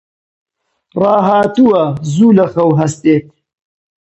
ڕاهاتووە زوو لە خەو هەستێت.